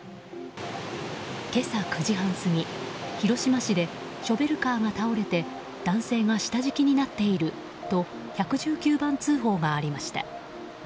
今朝９時半過ぎ、広島市でショベルカーが倒れて男性が下敷きになっていると１１９番通報がありました。